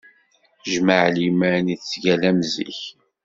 S jmaɛliman i ttgallan zik.